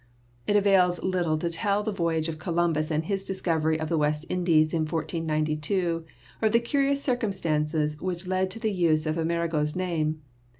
It avails little to tell the voyage of Columbus and his discovery of the West Indies in 1492 or of the curious cir cumstances which led to the use of Amerigo's name.